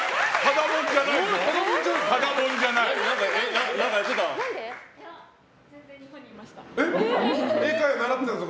ただ者じゃないぞ！